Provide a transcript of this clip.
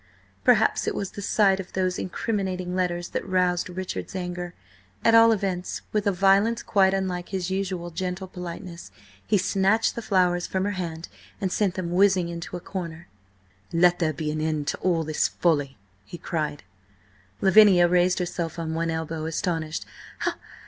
Perhaps it was the sight of those incriminating letters that roused Richard's anger. At all events, with a violence quite unlike his usual gentle politeness, he snatched the flowers from her hand, and sent them whizzing into a corner. "Let there be an end to all this folly!" he cried. Lavinia raised herself on one elbow, astonished.